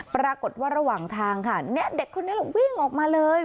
ปรากฏว่าระหว่างทางค่ะเนี่ยเด็กคนนี้วิ่งออกมาเลย